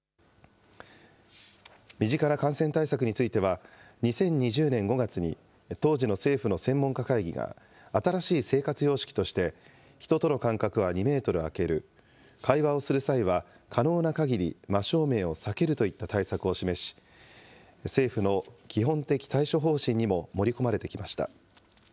身近な感染対策については、２０２０年５月に、当時の政府の専門家会議が、新しい生活様式として、人との間隔は２メートル空ける、会話をする際は可能なかぎり真正面を避けるといった対策を示し、政府の基本的対処方針にも盛り込まれてきました。